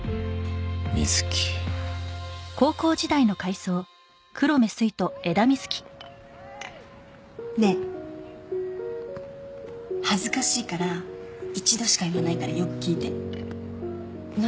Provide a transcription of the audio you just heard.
瑞貴ねえ恥ずかしいから一度しか言わないからよく聞いて何？